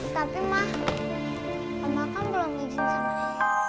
tapi ma mama kan belum izin sama dia